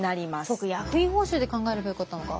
そうか役員報酬で考えればよかったのか。